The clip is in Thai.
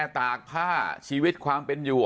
ตากผ้าชีวิตความเป็นอยู่